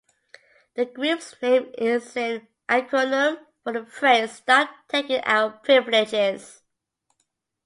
The group's name is an acronym for the phrase Stop Taking Our Privileges.